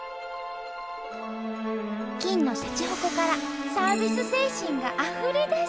金のしゃちほこからサービス精神があふれ出す！